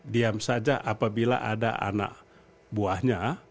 diam saja apabila ada anak buahnya